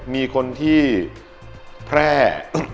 มีคนที่แพร่